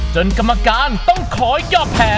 กรรมการต้องขอย่อแผล